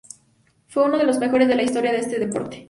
Fue uno de los mejores de la historia de este deporte.